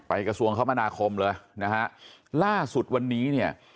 กระทรวงคมนาคมเลยนะฮะล่าสุดวันนี้เนี่ย